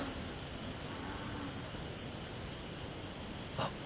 あっ。